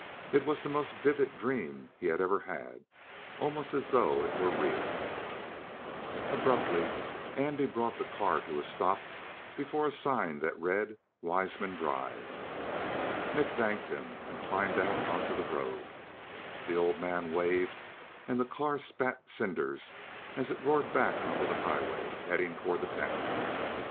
It was the most vivid dream he had ever had, almost as though it was real. Abruptly Andy brought the car to a stop before a sign that read, "Weisman Drive." Nick thanked him and climbed out onto the road. The old man waved and the car spat cinders as it roared back onto the highway, heading toward the town.